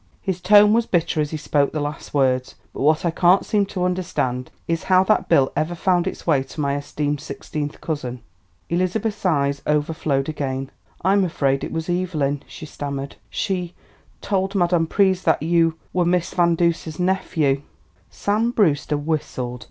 His tone was bitter as he spoke the last words. "But what I can't seem to understand is how that bill ever found its way to my esteemed sixteenth cousin." Elizabeth's eyes overflowed again. "I'm afraid it was Evelyn," she stammered. "She told Madame Pryse that you were Mrs. Van Duser's nephew." Sam Brewster whistled.